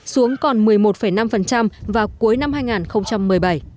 xuống còn một mươi một năm vào cuối năm hai nghìn một mươi bảy